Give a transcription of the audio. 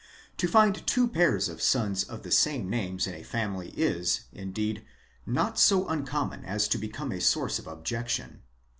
To find two pairs of sons of the same names in a family is, indeed, not so uncommon as to become a source of objection.